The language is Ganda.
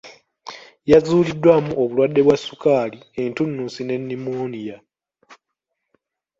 Yazuuliddwamu obulwadde bwa sukaali, entunnunsi ne nnimooniya.